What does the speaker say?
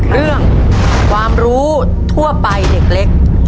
เรื่องความรู้ทั่วไปเด็กเล็ก